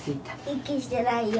息してないよ。